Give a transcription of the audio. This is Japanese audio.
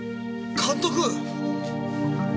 監督？